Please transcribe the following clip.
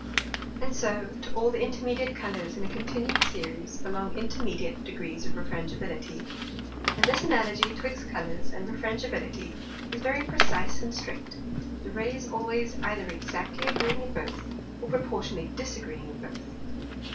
And so to all the intermediate Colours in a continued Series belong intermediate degrees of Refrangibility. And this Analogy 'twixt Colours, and Refrangibility, is very precise and strict; the Rays always either exactly agreeing in both, or proportionally disagreeing in both.